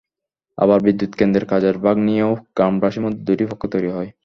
আবার বিদ্যুৎকেন্দ্রের কাজের ভাগ নিয়েও গ্রামবাসীর মধ্যে দুটি পক্ষ তৈরি হয়।